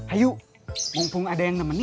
ayo mumpung ada yang nemenin